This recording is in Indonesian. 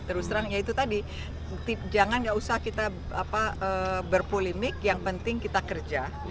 terus terang ya itu tadi jangan nggak usah kita berpolemik yang penting kita kerja